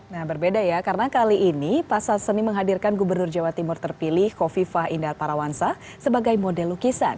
nah berbeda ya karena kali ini pasar seni menghadirkan gubernur jawa timur terpilih kofifah indar parawansa sebagai model lukisan